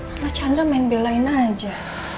kalau chandra main belain aja